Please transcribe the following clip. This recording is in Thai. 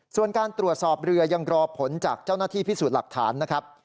ส่วนการตรวจสอบเรือยังรอผลจากเจ้าหน้าที่พิสูจน์หลักฐานนะครับ